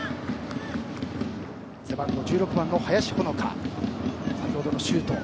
背番号１６番の林穂之香の先ほどのシュート。